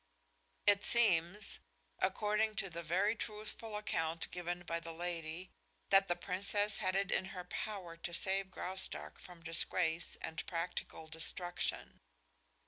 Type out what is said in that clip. It seems, according to the very truthful account given by the lady, that the Princess had it in her power to save Graustark from disgrace and practical destruction.